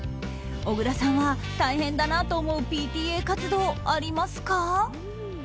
小倉さんは大変だなと思うＰＴＡ活動、ありますか？